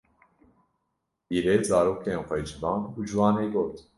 pîrê zarokên xwe civand û ji wan re got: